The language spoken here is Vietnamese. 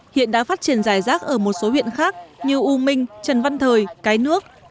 hiện đã phát triển dài rác ở một số huyện khác như u minh trần văn thời cái nước